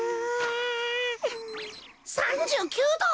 ３９ど！？